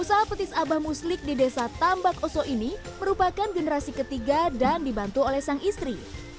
usaha petis abah muslik di desa tambak oso ini merupakan generasi ketiga dan dibantu oleh sang istri